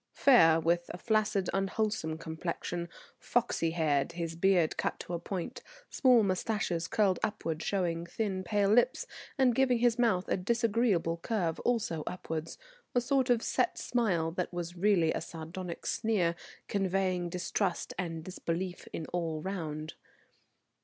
Fair, with a flaccid unwholesome complexion, foxy haired, his beard cut to a point, small moustaches curled upward showing thin pale lips, and giving his mouth a disagreeable curve also upwards, a sort of set smile that was really a sardonic sneer, conveying distrust and disbelief in all around.